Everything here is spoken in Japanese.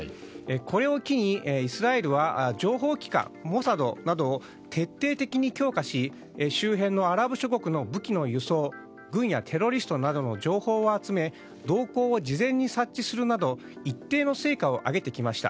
これを機にイスラエルは情報機関モサドなどを徹底的に強化し周辺のアラブ諸国の武器の輸送軍やテロリストなどの情報を集め動向を事前に察知するなど一定の成果を上げてきました。